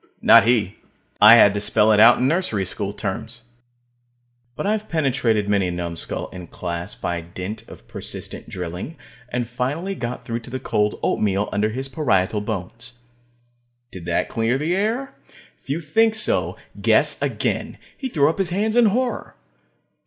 Not he. I had to spell it out in nursery school terms. But I've penetrated many a numbskull in class by dint of persistent drilling, and finally got through to the cold oatmeal under his parietal bones. Did that clear the air? If you think so, guess again. He threw up his hands in horror.